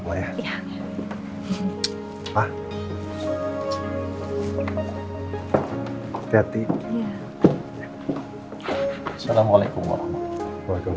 ya udah saya temenin ke depan ya